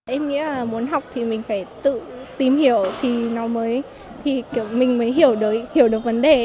em nghĩ là muốn học thì mình phải tự tìm hiểu thì mình mới hiểu được vấn đề